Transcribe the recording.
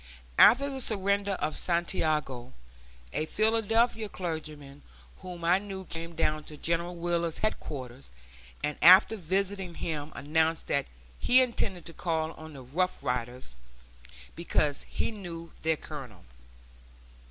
After the surrender of Santiago, a Philadelphia clergyman whom I knew came down to General Wheeler's headquarters, and after visiting him announced that he intended to call on the Rough Riders, because he knew their colonel.